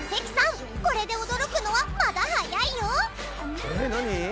これで驚くのはまだ早いよ！